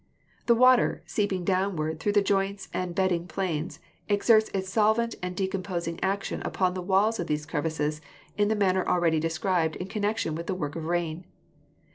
The water, seeping downward through the joints and bedding planes, exerts its solvent and decomposing action upon the walls of these crevices, in the manner already described in connection with the work of rain.